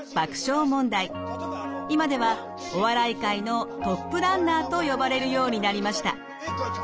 今ではお笑い界のトップランナーと呼ばれるようになりました。